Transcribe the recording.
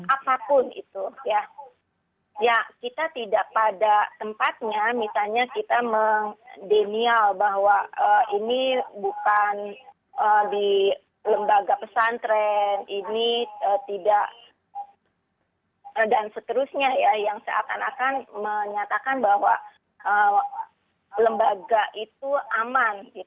apapun itu kita tidak pada tempatnya misalnya kita mendenial bahwa ini bukan di lembaga pesantren ini tidak dan seterusnya yang seakan akan menyatakan bahwa lembaga itu aman